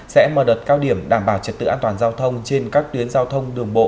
sẽ mở đợt cao điểm đảm bảo trật tự an toàn giao thông trên các tuyến giao thông đường bộ